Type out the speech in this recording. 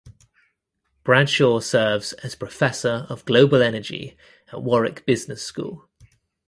Bradshaw serves as Professor of Global Energy at Warwick Business School.